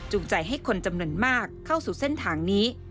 ใจให้คนจำนวนมากเข้าสู่เส้นทางนี้